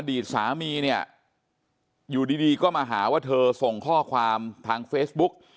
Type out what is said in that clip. อดีตสามีเนี่ยอยู่ดีก็มาหาว่าเธอส่งข้อความทางเฟซบุ๊ก